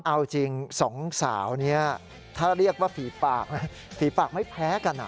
เอาจริงสองสาวนี้ถ้าเรียกว่าฝีปากนะฝีปากไม่แพ้กัน